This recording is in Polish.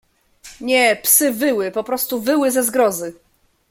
"Nie, psy wyły, poprostu wyły ze zgrozy."